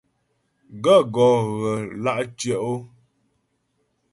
Gaə̂ gɔ́ ghə lǎ tyə́'ɔ ?